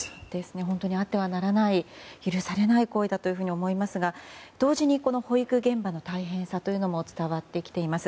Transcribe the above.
本当にあってはならない許されない行為だと思いますが同時に保育現場の大変さというのも伝わってきています。